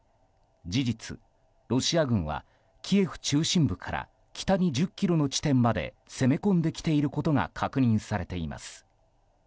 事実、ロシア軍はキエフ中心部から北に１０ｋｍの地点まで攻め込んできていることが確認されています。